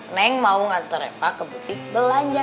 neng mau nganterin reva ke butik belanja